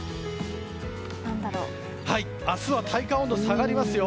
明日は体感温度下がりますよ。